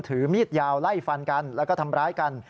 ถือมีดยาวไล่ฟันกันแล้วก็ทำร้ายกัน